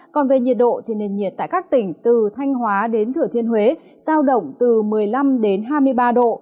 còn về nhiệt độ thì nền nhiệt tại các tỉnh từ thanh hóa đến thửa thiên huế giao động từ một mươi năm hai mươi ba độ